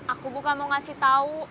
aku bukan mau ngasih tau